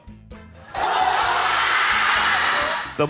สมุดสงคราม